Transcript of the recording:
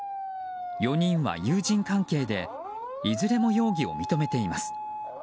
４人は友人関係でいずれも容疑を認めています。